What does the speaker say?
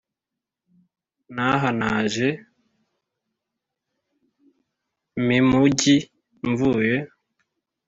n’aha naje mimugi mvuye